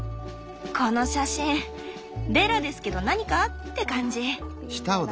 この写真「ベラですけど何か？」って感じ。